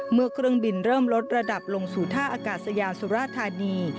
เครื่องบินเริ่มลดระดับลงสู่ท่าอากาศยานสุราธานี